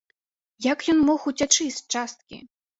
Як ён мог уцячы з часткі?